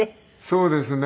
そうですね。